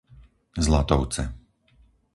Zlatovce